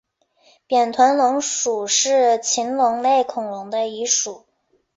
扁臀龙属是禽龙类恐龙的一属。